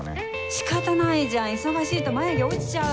仕方ないじゃん忙しいと眉毛落ちちゃうの。